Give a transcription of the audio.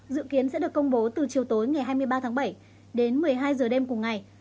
dự kiến sẽ được công bố từ chiều tối ngày hai mươi ba tháng bảy đến một mươi hai giờ đêm cùng ngày